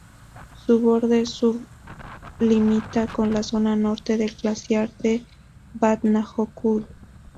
Su borde sur limita con la zona norte del glaciar de Vatnajökull.